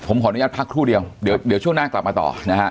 ผมขออนุญาตพักครู่เดียวเดี๋ยวช่วงหน้ากลับมาต่อนะฮะ